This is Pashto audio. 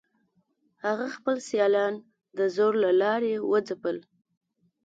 هغه خپل سیالان د زور له لارې وځپل.